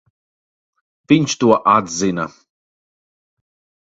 Viņš to atzina.